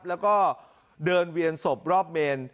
แล้วก็เดินเวียนศพรอบเมน